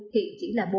thì chỉ là bốn sáu